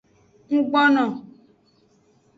Nggbono.